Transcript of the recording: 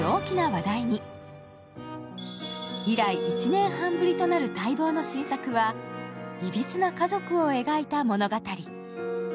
１年半ぶりとなる待望の新作はいびつな家族を描いた物語。